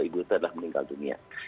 ibu itu adalah meninggal dunia